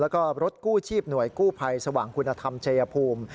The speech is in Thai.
แล้วก็รถกู้ชีพหน่วยกู้ภัยสว่างคุณธรรมชัยภูมิ